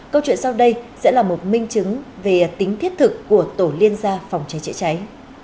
câu chuyện sau đây sẽ là một minh chứng về tính thiết thực của tổ liên gia phòng cháy chữa cháy